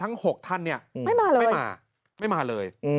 ทั้ง๖ท่านเนี่ยไม่มาเลย